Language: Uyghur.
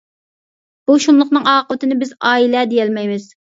بۇ شۇملۇقنىڭ ئاقىۋىتىنى بىز «ئائىلە» دېيەلمەيمىز.